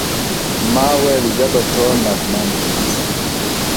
ما ویل زه به ټول نغمه- نغمه سم-